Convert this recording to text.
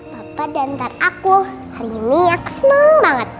bapak dan ntar aku hari ini ya keseneng banget